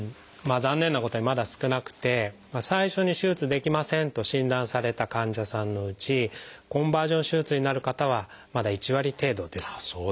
残念なことにまだ少なくて最初に手術できませんと診断された患者さんのうちコンバージョン手術になる方はまだ１割程度です。